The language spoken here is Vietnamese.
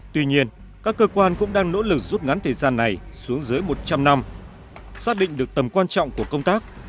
tuy nhiên các cơ quan cũng đang nỗ lực rút ngắn thời gian này xuống dưới một trăm linh năm xác định được tầm quan trọng của công tác